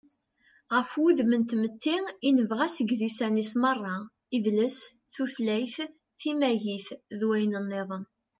ɣef wudem n tmetti i nebɣa seg yidisan-is meṛṛa: idles, tutlayt, timagit, d wayen-nniḍen